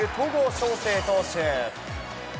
翔征投手。